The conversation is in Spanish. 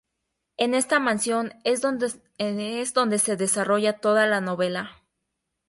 En esta mansión es donde se desarrolla toda la novela.